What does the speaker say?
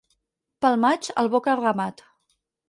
Pel maig, el boc al ramat.